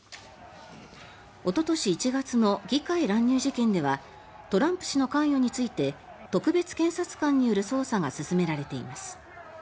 おととし１月の議会乱入事件ではトランプ氏の関与について特別検察官による捜査が進められています。